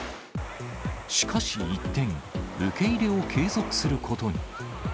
しかし一転、受け入れを継続することに。